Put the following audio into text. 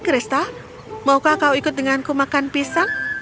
kristal maukah kau ikut denganku makan pisang